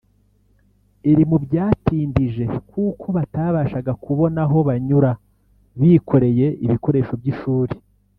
iri mu byabatindije kuko batabashaga kubona aho banyura bikoreye n’ibikoresho by’ishuri